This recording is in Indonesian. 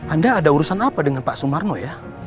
anda ada urusan apa dengan pak sumarno ya